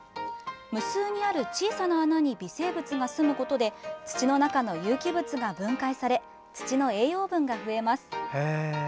無数にある小さな穴に微生物がすむことで土の中の有機物が分解され土の栄養分が増えます。